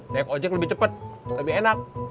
naik ojek lebih cepat lebih enak